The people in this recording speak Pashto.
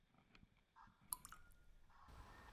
ایا کورني سوداګر وچ توت صادروي؟